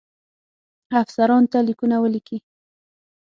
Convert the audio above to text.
افسرانو ته لیکونه ولیکي.